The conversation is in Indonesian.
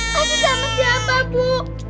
kasih sama siapa bu